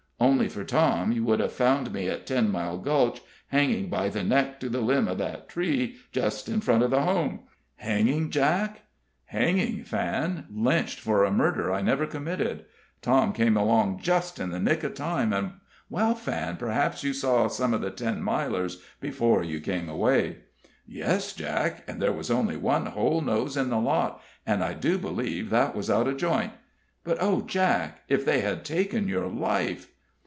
Only for Tom, you would have found me at Ten Mile Gulch, hanging by the neck to the limb of that tree just in front of the Home." "Hanging, Jack?" "Hanging, Fan lynched for a murder I never committed. Tom came along just in the nick of time, and Well, Fan, perhaps you saw some of the Ten Milers before you came away?" "Yes, Jack; and there was only one whole nose in the lot, and I do believe that was out of joint. But, oh, Jack! if they had taken your life!"